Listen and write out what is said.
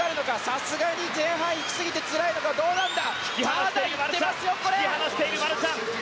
さすがに前半行きすぎてつらいのか、どうなんだ？